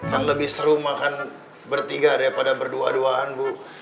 kan lebih seru makan bertiga daripada berdua duaan bu